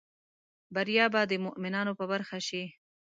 بریا به د مومینانو په برخه شي